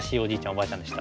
おばあちゃんでした。